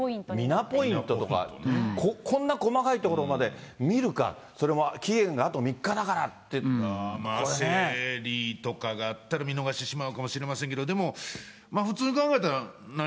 ミナポイントとか、こんな細かいところまで見るか、それも期限があと３日だからといって、これね。とかがあったら見逃してしまうかもしれませんけど、でも、普通に考えたら、何？